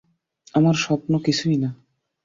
আমার স্বপ্ন, কিছুই না।